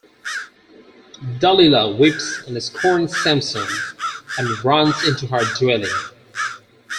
Dalila weeps and scorns Samson and runs into her dwelling.